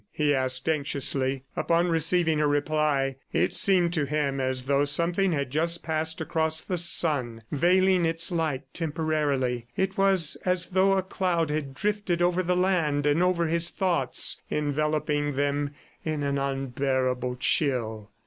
he asked anxiously. Upon receiving her reply, it seemed to him as though something had just passed across the sun, veiling its light temporarily. It was as though a cloud had drifted over the land and over his thoughts, enveloping them in an unbearable chill.